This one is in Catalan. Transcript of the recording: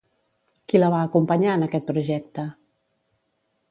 Qui la va acompanyar en aquest projecte?